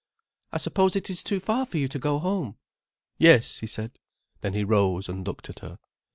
"I suppose it is too far for you to go home?" "Yes," he said. Then he rose and looked at her.